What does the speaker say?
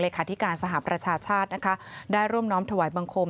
ที่การสหประชาชาตินะคะได้ร่วมน้อมถวายบังคม